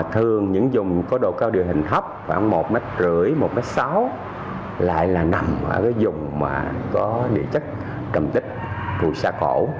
tại là nằm ở cái vùng mà có địa chất trầm tích phùi xa khổ